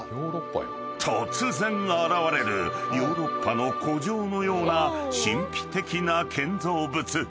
［突然現れるヨーロッパの古城のような神秘的な建造物］